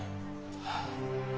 はあ。